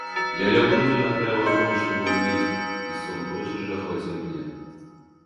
Я лег грудью на край вагона, чтобы взлезть — и сон тотчас же охватил меня.